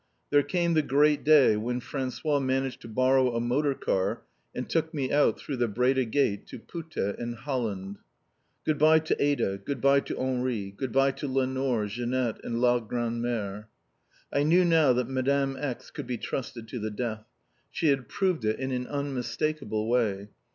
There came the great day when François managed to borrow a motor car and took me out through the Breda Gate to Putte in Holland. Good bye to Ada, good bye to Henri, good bye to Lenore, Jeanette and la grandmère! I knew now that Madame X. could be trusted to the death. She had proved it in an unmistakable way.